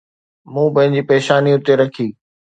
مون پنهنجي پيشاني اتي رکي.